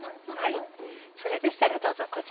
それでしたらどうぞこちらから。